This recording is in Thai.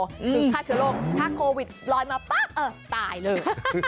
ถึงฆ่าเชื้อโรคถ้าโควิดลอยมาป๊ะเออตายเลย